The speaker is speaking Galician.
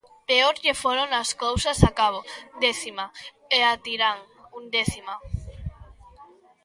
Peor lle foron as cousas a Cabo, décima, e a Tirán, undécima.